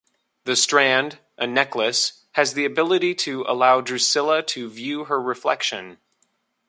The strand, a necklace, has the ability to allow Drusilla to view her reflection.